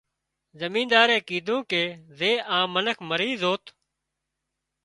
زمينۮارئي ڪيڌو ڪي زي آ منک مري زوت